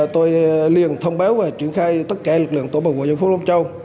tôi liền thông báo và triển khai tất cả lực lượng tổ bộ của dân phố long châu